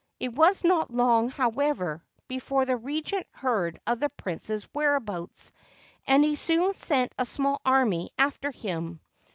It was not long, however, before the Regent heard of the prince's whereabouts, and he soon sent a small army after him.